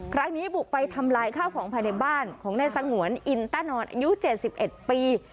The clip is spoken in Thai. ครั้งนี้บุกไปทำลายข้าวของภายในบ้านของนายสงวนอินต้านอนอายุ๗๑ปี